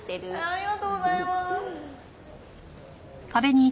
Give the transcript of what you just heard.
ありがとうございます！